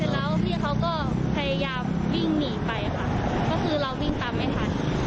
แล้วพี่เขาก็พยายามวิ่งหนีไปค่ะก็คือเราวิ่งตามไม่ทัน